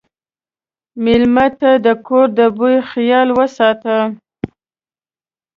مېلمه ته د کور د بوي خیال وساته.